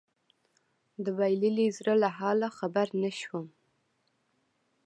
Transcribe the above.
د بايللي زړه له حاله خبر نه شوم